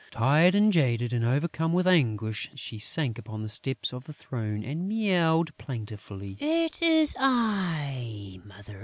Tired and jaded and overcome with anguish, she sank upon the steps of the throne and mewed, plaintively: "It is I, Mother Night!...